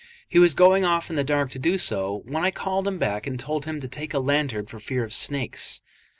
He was going off in the dark to do so, when I called him back and told him to take a lantern for fear of snakes.